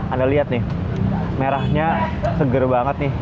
anda lihat nih merahnya seger banget nih